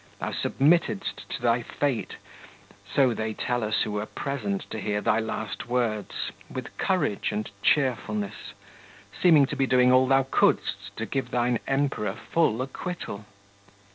Thou submittedst to thy fate, so they tell us who were present to hear thy last words, with courage and cheerfulness, seeming to be doing all thou couldst to give thine Emperor full acquittal.